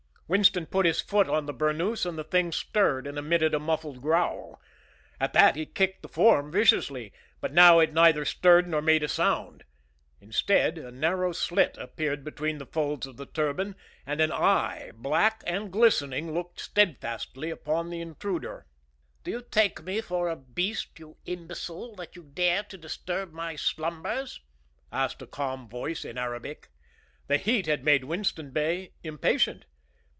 Winston put his foot on the burnous and the thing stirred and emitted a muffled growl. At that he kicked the form viciously; but now it neither stirred nor made a sound. Instead, a narrow slit appeared between the folds of the turban, and an eye, black and glistening, looked steadfastly upon the intruder. "Do you take me for a beast, you imbecile, that you dare to disturb my slumbers?" asked a calm voice, in Arabic. The heat had made Winston Bey impatient.